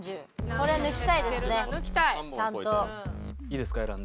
これ抜きたいですねちゃんと。